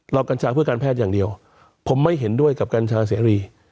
กัญชาเพื่อการแพทย์อย่างเดียวผมไม่เห็นด้วยกับกัญชาเสรี